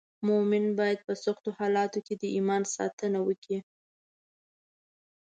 مومن باید په سختو حالاتو کې د ایمان ساتنه وکړي.